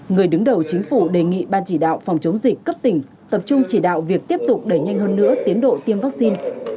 người đứng đầu chính phủ đề nghị ban chỉ đạo phòng chống dịch cấp tỉnh tập trung chỉ đạo việc tiếp tục đẩy nhanh hơn nữa tiến độ tiêm vaccine